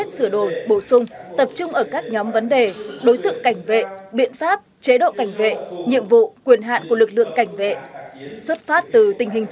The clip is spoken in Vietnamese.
xin chào và hẹn gặp lại